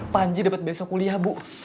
panji dapat besok kuliah bu